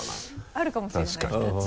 あるかもしれないヒタチ。